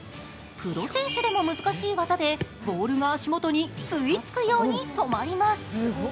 プロ選手でも難しい技でボールが足元に吸いつくように止まります。